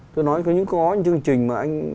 tôi nói có những chương trình